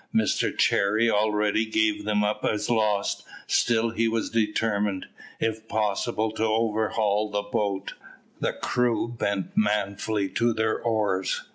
Mr Cherry already gave them up as lost, still he was determined, if possible, to overhaul the boat. The crew bent manfully to their oars.